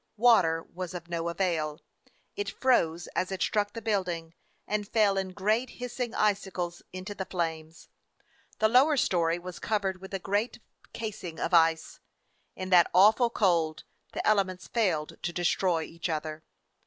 Water was of no avail; it froze as it struck the building, and fell in great hiss ing icicles into the flames; the lower story 270 A FIRE DOG OF NEW YORK was covered with a great casing of ice. In that awful cold the elements failed to destroy each other.